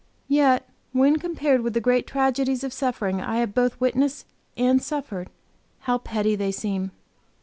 Yet when compared with the great tragedies of suffering I have both witnessed and suffered, how petty they seem!